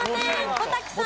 小瀧さん。